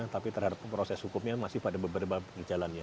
tapi terhadap proses hukumnya masih pada beberapa jalan ya